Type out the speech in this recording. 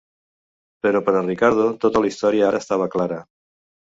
Però per a Ricardo tota la història ara estava clara.